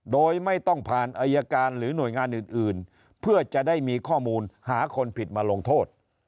โดยไม่ต้องผ่านอายการหรือหน่วยงานอื่นเพื่อจะได้มีข้อมูลหาคนผิดมาลงโทษ